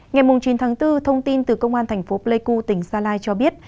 ngày chín tháng bốn thông tin từ công an thành phố pleiku tỉnh gia lai cho biết